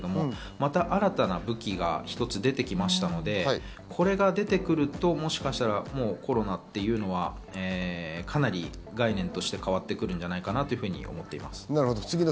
また新たな武器が一つ出てきましたので、これが出てくるともしかしたらコロナというのはかなり概念として変わってくるんじゃないかなというふうに見ています。